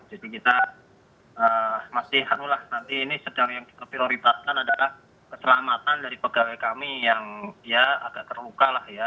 jadi kita masih anulah nanti ini sedang yang kita prioritakan adalah keselamatan dari pegawai kami yang ya agak terluka lah ya